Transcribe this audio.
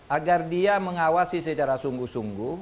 agar dia mengawasi secara sungguh sungguh